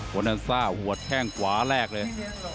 โฮนัลซ่าหัวแท่งกวาแรกเลย